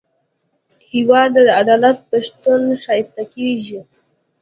هېواد د عدالت په شتون ښایسته کېږي.